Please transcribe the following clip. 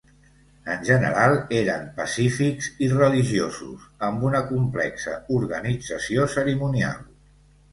En general, eren pacífics i religiosos, amb una complexa organització cerimonial.